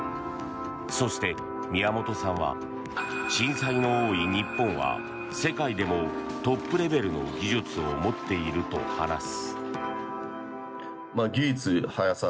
そして、宮本さんは震災の多い日本は世界でもトップレベルの技術を持っていると話す。